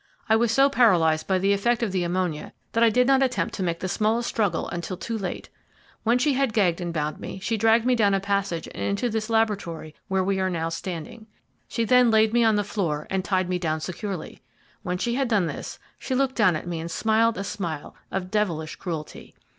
I was so paralyzed by the effect of the ammonia that I did not attempt to make the smallest struggle until too late. When she had gagged and bound me, she dragged me down a passage and into this laboratory where we are now standing. She then laid me on the floor and tied me down securely. When she had done this, she looked down at me and smiled a smile of devilish cruelty.